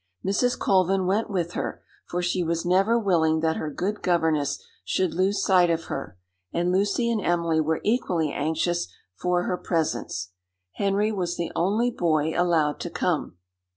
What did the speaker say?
Mrs. Colvin went with her, for she was never willing that her good governess should lose sight of her; and Lucy and Emily were equally anxious for her presence. Henry was the only boy allowed to come.